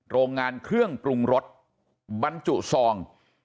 โรงงานเครื่องปรุงรสบรรจุซอง